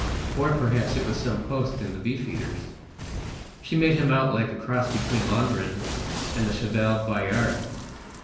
Or perhaps it was some post in the Beefeaters'. She made him out like a cross between Lohengrin and the Chevalier Bayard.